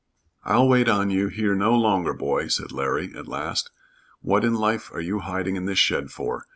"I'll wait on you here no longer, boy," said Larry, at last. "What in life are you hiding in this shed for?